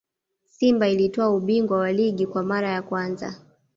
simba ilitwaa ubingwa wa ligi kwa mara ya kwanza